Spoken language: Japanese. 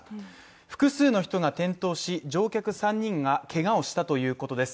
複数の人が転倒し、乗客３人がけがをしたということです